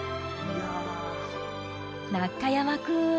中山君